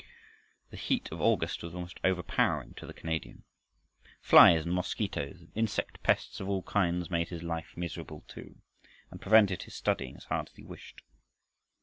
The heat of August was almost overpowering to the Canadian. Flies and mosquitoes and insect pests of all kinds made his life miserable, too, and prevented his studying as hard as he wished.